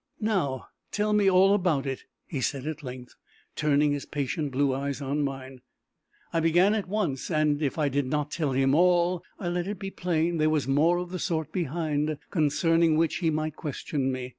"Now tell me all about it," he said at length, turning his patient blue eyes on mine. I began at once, and if I did not tell him all, I let it be plain there was more of the sort behind, concerning which he might question me.